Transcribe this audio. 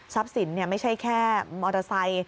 ทรัพย์สินไม่ใช่แค่มอเตอร์ไซค์